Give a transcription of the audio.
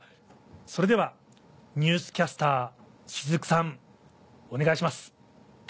それではニュースキャスターしずくさんお願いします。